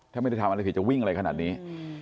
ถ้าไม่ได้ทำอะไรผิดจะวิ่งอะไรขนาดนี้